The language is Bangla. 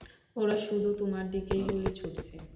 ওরা শুধু তোমার দিকেই গুলি ছুঁড়ছে।